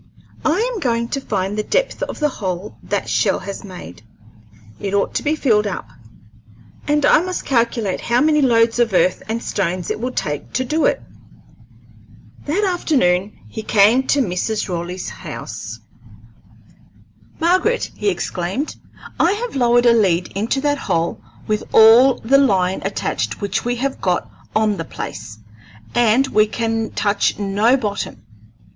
"I am going to find the depth of the hole that shell has made. It ought to be filled up, and I must calculate how many loads of earth and stones it will take to do it." That afternoon he came to Mrs. Raleigh's house. "Margaret," he exclaimed, "I have lowered a lead into that hole with all the line attached which we have got on the place, and we can touch no bottom.